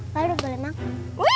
pak lu boleh makan